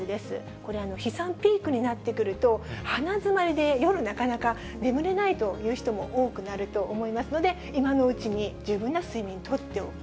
これ、飛散ピークになってくると、鼻詰まりで夜、なかなか眠れないという人も多くなると思いますので、今のうちに十分な睡眠取っておく。